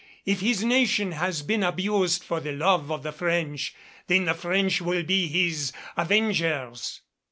If his nation has been abused for the love of the French, then the French will be his avengers."